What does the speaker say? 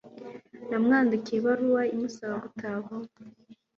Namwandikiye ibaruwa imusaba gutaha vuba.